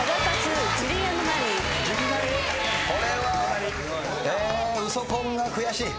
これは『ウソ婚』が悔しい。